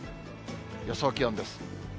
予想気温です。